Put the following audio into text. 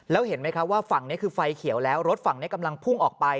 แล้วเห็นไหมครับว่าฝั่งนี้คือไฟเขียวแล้วรถฝั่งนี้กำลังพุ่งออกไป